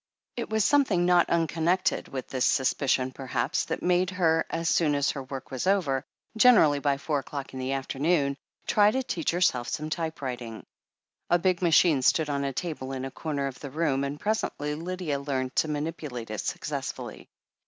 It was something not unconnected with this sus picion, perhaps, that made her, as soon as her work was over, generally by four o'clock in the afternoon, try to teach herself typewriting. A big machine stood on a table in a comer of the room, and presently Lydia learnt to manipulate it suc cessfully.